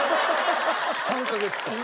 ３カ月間。